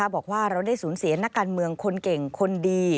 บอกว่าเราได้สูญเสียนักการเมืองคนเก่งคนดี